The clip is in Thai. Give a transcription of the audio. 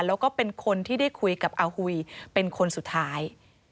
แล้วก็เป็นคนที่ได้คุยกับอาหุยเป็นคนสุดท้าย